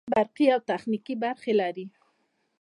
دوی برقي او میخانیکي برخې لري.